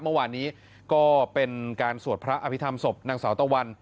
เมื่อวานนี้ก็เป็นการสวดพระอภิษฐรรมศพนางสาวตะวัน